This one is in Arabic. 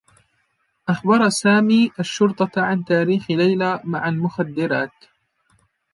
اخبر سامي الشرطة عن تاريخ ليلى مع المخدّرات.